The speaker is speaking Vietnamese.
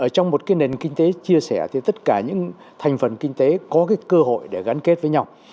trong một nền kinh tế chia sẻ thì tất cả những thành phần kinh tế có cơ hội để gắn kết với nhau